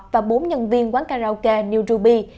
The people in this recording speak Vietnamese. và bốn nhân viên quán karaoke new ruby